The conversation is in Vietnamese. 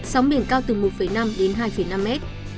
sóng biển cao từ một năm đến hai năm mét